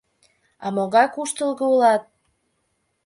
А могай куштылго улат...